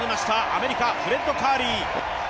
アメリカ、フレッド・カーリー。